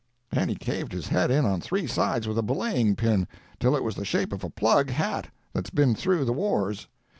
And he caved his head in on three sides with a belaying pin, till it was the shape of a plug hat that's been through the wars.